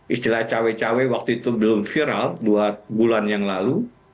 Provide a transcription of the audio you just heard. istilah cawe cawe waktu itu belum viral dua bulan yang lalu